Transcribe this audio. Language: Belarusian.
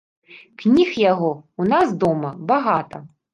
Кніг яго ў нас дома багата.